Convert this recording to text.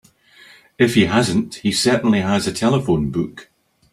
If he hasn't he certainly has a telephone book.